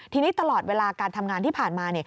ทีนี้ตลอดเวลาการทำงานที่ผ่านมา